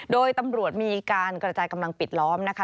โดยตำรวจมีการกระจายกำลังปิดล้อมนะคะ